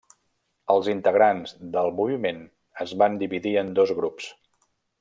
Els integrants del moviment es van dividir en dos grups.